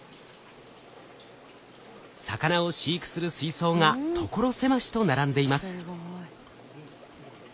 魚を飼育する水槽が所狭しと並んでいます。